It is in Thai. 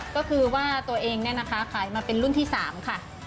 ก็คือว่าตัวเองเนี่ยนะคะขายมาเป็นรุ่นที่๓ค่ะ